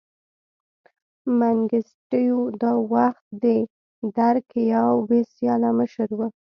منګیسټیو دا وخت د درګ یو بې سیاله مشر و.